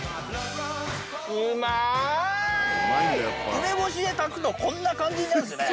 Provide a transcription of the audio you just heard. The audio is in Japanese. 梅干しで炊くとこんな感じになるんですね。